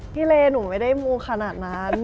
เลหนูไม่ได้มูขนาดนั้น